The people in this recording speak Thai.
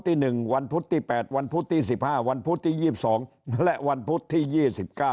ที่๑วันพุธที่๘วันพุธที่๑๕วันพุธที่๒๒และวันพุธที่๒๙